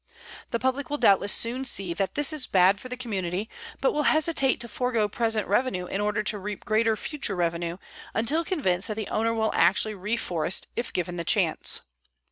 The public will doubtless soon see that this is bad for the community, but will hesitate to forego present revenue in order to reap greater future revenue until convinced that the owner will actually reforest if given the chance.